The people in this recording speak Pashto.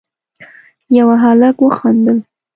يوه هلک وخندل: